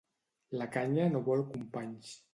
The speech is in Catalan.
La canya no vol companys.